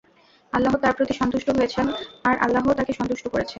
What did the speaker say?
আল্লাহ তার প্রতি সন্তুষ্ট হয়েছেন আর আল্লাহও তাকে সন্তুষ্ট করেছেন।